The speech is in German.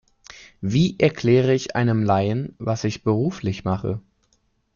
Wie erkläre ich einem Laien, was ich beruflich mache?